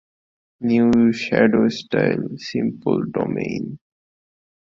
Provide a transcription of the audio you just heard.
New shadow style, simple domain!